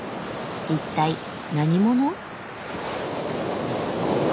一体何者？